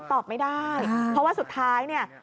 ตอบไม่ได้เพราะว่าสุดท้าย